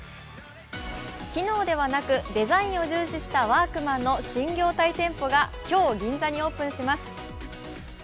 機能ではなくデザインを重視したワークマンの新業態店舗が今日、銀座にオープンします。